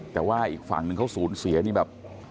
แต่ว่าอีกฝั่งหนึ่งเขาสูญเสียนี่แบบ